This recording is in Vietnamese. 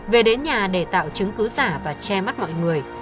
về đến nhà để tạo chứng cứ giả và che mắt mọi người